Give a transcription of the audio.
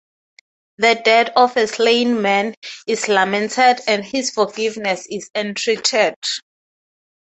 The death of the slain man is lamented and his forgiveness is entreated.